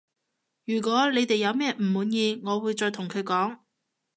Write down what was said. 如果你哋有咩唔滿意我會再同佢講